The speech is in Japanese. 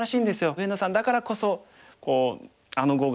上野さんだからこそあの碁が見れた。